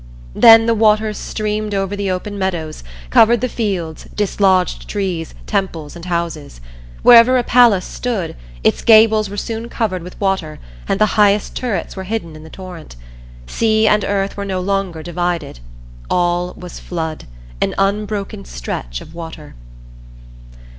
Then the waters streamed over the open meadows, covered the fields, dislodged trees, temples and houses. Wherever a palace stood, its gables were soon covered with water and the highest turrets were hidden in the torrent. Sea and earth were no longer divided; all was flood an unbroken stretch of water.